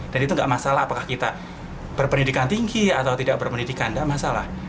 dan itu nggak masalah apakah kita berpendidikan tinggi atau tidak berpendidikan nggak masalah